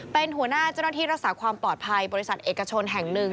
เป็นหัวหน้าเจ้าหน้าที่รักษาความปลอดภัยบริษัทเอกชนแห่งหนึ่ง